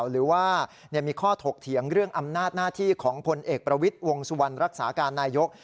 หรือว่ามีข้อถกเถียงเรื่องอำนาจหน้าที่ของพลเอกประวิทย์วงสุวรรณรักษาการนายก